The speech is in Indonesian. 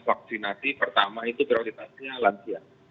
jadi pertama itu prioritasnya lansia